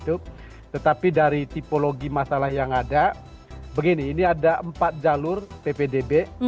tetapi dari tipologi masalah yang ada begini ini ada empat jalur ppdb